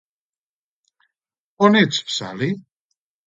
On ets, Sally?